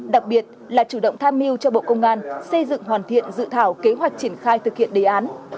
đặc biệt là chủ động tham mưu cho bộ công an xây dựng hoàn thiện dự thảo kế hoạch triển khai thực hiện đề án